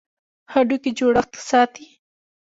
هډوکي جوړښت ساتي.